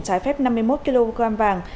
trái phép năm mươi một kg vàng